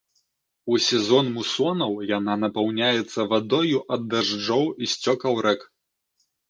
У сезон мусонаў яна напаўняецца вадою ад дажджоў і сцёкаў рэк.